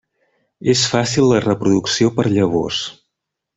És fàcil la reproducció per llavors.